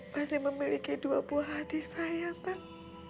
pasti memiliki dua buah hati saya ya mbak